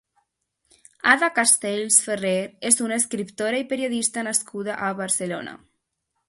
Ada Castells Ferrer és una escriptora i periodista nascuda a Barcelona.